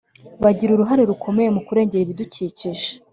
bagira uruhare rukomeye mu kurengera ibidukikije